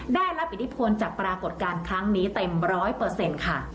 ได้รับอิทธิพลจากปรากฏการณ์ครั้งนี้เต็ม๑๐๐ค่ะ